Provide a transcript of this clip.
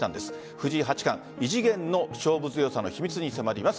藤井八冠、異次元の勝負強さの秘密に迫ります。